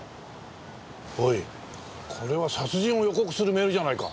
おいこれは殺人を予告するメールじゃないか。